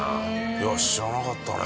いや知らなかったね。